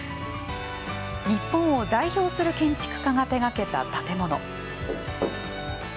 日本を代表する建築家が手がけた建物。